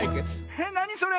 えっなにそれ⁉